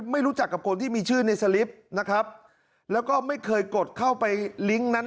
ไม่รู้จักกับคนที่มีชื่อในสลิปนะครับแล้วก็ไม่เคยกดเข้าไปลิงก์นั้น